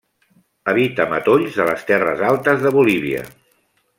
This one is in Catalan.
Habita matolls de les terres altes de Bolívia.